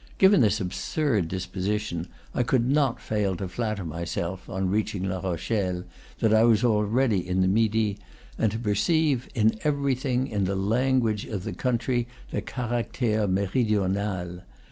Given this absurd disposition, I could not fail to flatter myself, on reaching La Rochelle, that I was already in the Midi, and to perceive in everything, in the language of the country, the _ca ractere meridional.